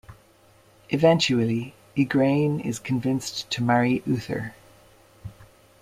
Eventually Igraine is convinced to marry Uther.